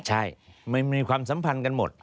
ใช่มันมีความสัมพันธ์กันหมด